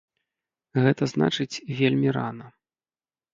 Гэта значыць вельмі рана.